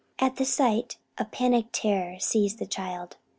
At the sight a panic terror seized the child.